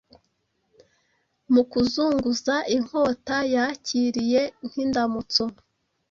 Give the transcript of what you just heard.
Mu kuzunguza inkota yakiriye nkindamutso